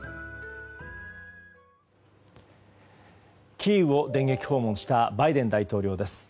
キーウを電撃訪問したバイデン大統領です。